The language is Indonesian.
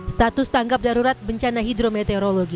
status tanggap darurat bencana hidrometeorologi